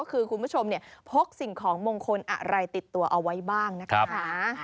คือคุณผู้ชมพกสิ่งของมงคลอะไรติดตัวเอาไว้บ้างนะคะ